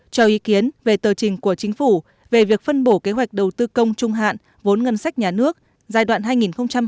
cho ý kiến về tờ trình của chính phủ về việc phân bổ kế hoạch đầu tư công trung hạn vốn ngân sách nhà nước giai đoạn hai nghìn hai mươi một hai nghìn hai mươi